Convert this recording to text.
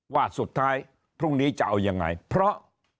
ว่าสุดท้ายพรุ่งนี้จะเอายังไงเพราะ